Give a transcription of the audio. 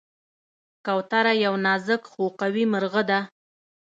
کوتره یو نازک خو قوي مرغه ده.